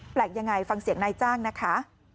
ยังไงฟังเสียงนายจ้างนะคะ